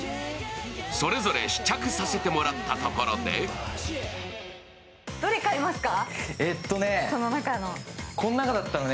それぞれ試着させてもらったところでこの中のどれ買いますか？